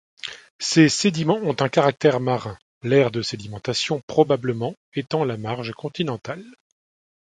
Ses sédiments ont un caractère marin, l'aire de sédimentation probablement étant la marge continentale.